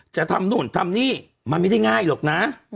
จะทำนู่นทำนี่มันไม่ได้ง่ายหรอกนะ